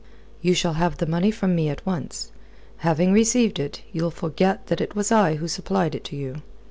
"You shall have the money from me at once. Having received it, you'll forget that it was I who supplied it to you.